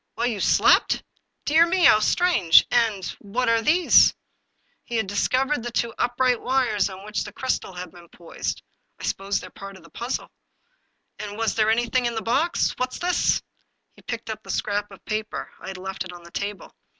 "While you slept? Dear mel How strange! And— what are these ?" He had discovered the two upright wires on which the crystal had been poised. '* I suppose they're part of the puzzle." "And was there anything in the box? What's this?" He picked up the scrap of paper ; I had left it on the table.